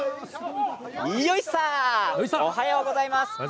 よいさ、おはようございます。